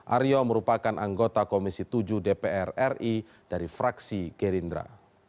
aryo merupakan anggota komisi tujuh dpr ri dari fraksi gerindra